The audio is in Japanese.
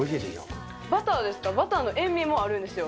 バターですか、バターの塩味もあるんですよ。